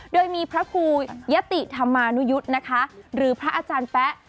โดยมีพระครูยะติธรรมานุยุทธ์นะคะหรือพระอาจารย์แป๊ะ